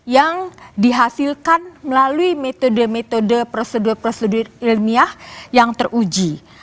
yang dihasilkan melalui metode metode prosedur prosedur ilmiah yang teruji